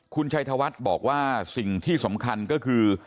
คุณชัยธวัฒน์บอกว่าสิ่งที่สำคัญก็คือ